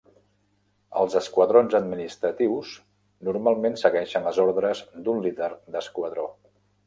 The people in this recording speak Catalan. Els esquadrons administratius normalment segueixen les ordres d'un líder d'esquadró.